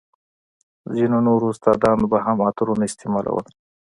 ځينو نورو استادانو به هم عطرونه استعمالول.